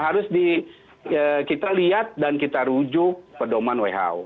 harus kita lihat dan kita rujuk pedoman who